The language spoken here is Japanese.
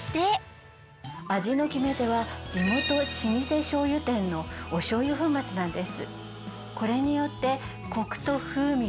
味の決め手は地元老舗しょうゆ店のおしょうゆ粉末なんです。